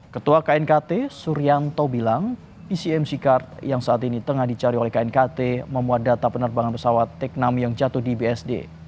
ketua knkt suryanto bilang ecmc card yang saat ini tengah dicari oleh knkt memuat data penerbangan pesawat teknam yang jatuh di bsd